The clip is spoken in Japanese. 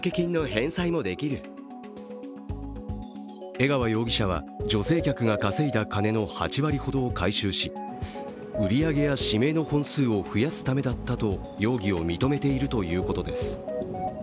江川容疑者は女性客が稼いだ金の８割ほどを回収し売り上げや指名の本数を増やすためだったと容疑を認めているということです。